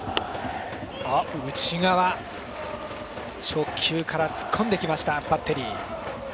初球から突っ込んできたバッテリー。